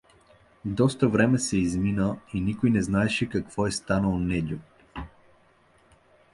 Доста време се измина и никой не знаеше какво е станал Недю.